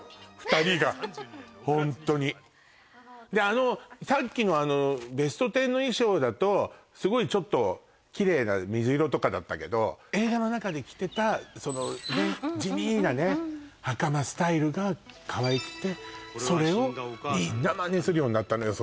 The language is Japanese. ２人がホントにであのさっきの「ベストテン」の衣装だとすごいちょっとキレイな水色とかだったけど映画の中で着てた地味なね袴スタイルがかわいくてそれをみんなマネするようになったのよ